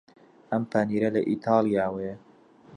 ئەم پەنیرە لە ئیتاڵیاوەیە.